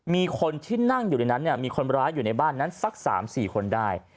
มีคนที่นั่งอยู่ในนั้นมีคนร้ายอยู่ในบ้านนั้นสัก๓๔คนได้